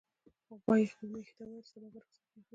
غویي خپلې میښې ته وویل چې سبا به رخصتي اخلي.